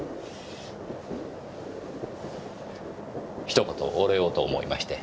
一言お礼をと思いまして。